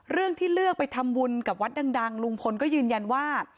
เรื่องที่เลือกไปทำบุญกับวัดดังลุงพลก็ยืนยันว่า